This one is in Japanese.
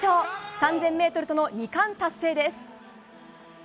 ３０００ｍとの２冠達成です。